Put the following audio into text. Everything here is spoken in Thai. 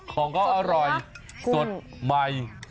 ของเขาอร่อยสดใหม่